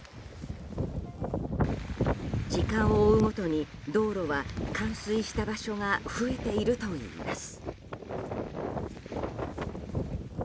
時間を追うごとに道路は冠水した場所が増えているといいます。